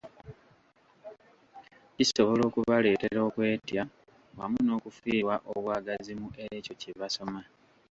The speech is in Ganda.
Kisobola okubaleetera okwetya wamu n’okufiirwa obwagazi mu ekyo kye basoma.